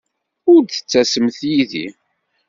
Ur d-ttasemt yid-i?